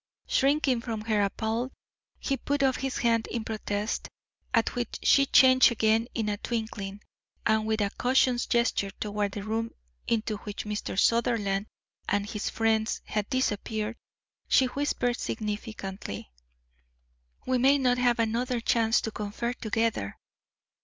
Shrinking from her appalled, he put up his hand in protest, at which she changed again in a twinkling, and with a cautious gesture toward the room into which Mr. Sutherland and his friends had disappeared, she whispered significantly: "We may not have another chance to confer together.